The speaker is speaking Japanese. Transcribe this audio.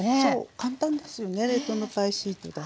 簡単ですよね冷凍のパイシートだと。